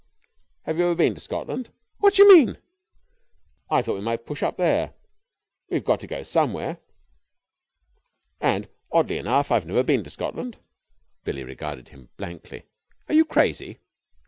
"Have you ever been to Scotland?" "What do you mean?" "I thought we might push up there. We've got to go somewhere and, oddly enough, I've never been to Scotland." Billie regarded him blankly. "Are you crazy?"